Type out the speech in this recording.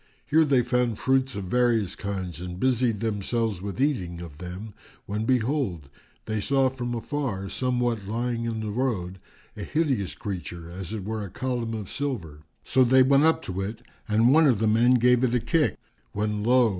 Here they found fruits of various kinds and busied themselves with eating of them, when behold, they saw from afar, somewhat lying in the road, a hideous creature as it were a column of silver. So they went up to it and one of the men gave it a kick, when lo!